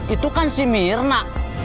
itu kan si mirna